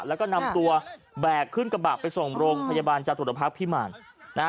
แล้วก็นำตัวแบกขึ้นกระบะไปส่งโรงพยาบาลจตุรพักษ์พิมารนะฮะ